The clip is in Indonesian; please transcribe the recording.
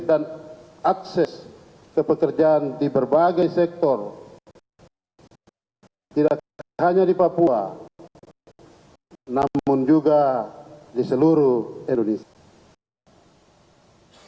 dan akses ke pekerjaan di berbagai sektor tidak hanya di papua namun juga di seluruh indonesia